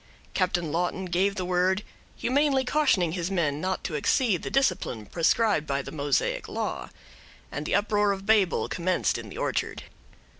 Captain Lawton gave the word, humanely cautioning his men not to exceed the discipline prescribed by the Mosaic law, and the uproar of Babel commenced in the orchard.